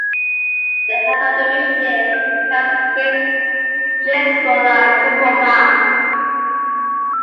The head of the mission is Tens Chisola Kapoma.